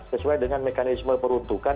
sesuai dengan mekanisme peruntukan